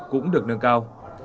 cũng được nâng cao